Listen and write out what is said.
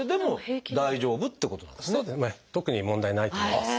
特に問題ないと思います。